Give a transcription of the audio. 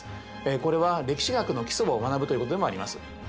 これは歴史学の基礎を学ぶということでもあります。